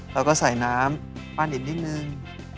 แล้วก็ใส่น้ำปั้นอีกนิดนึง